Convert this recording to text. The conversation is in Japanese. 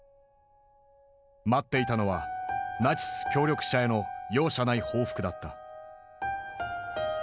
待っていたのはナチス協力者への容赦ない報復だった。